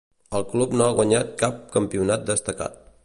El club no ha guanyat cap campionat destacat.